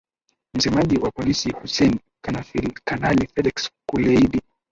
msemaji wa polisi hussen kanali felix kuleidi